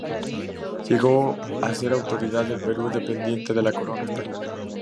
Llegó a ser una autoridad del Perú dependiente de la corona española.